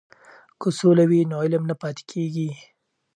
که سوله وي نو علم نه پاتې کیږي.